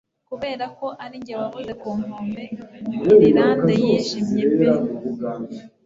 Kuberako ari njye wavuye ku nkombe ya Irilande yijimye pe